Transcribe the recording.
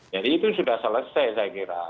jadi itu sudah selesai saya kira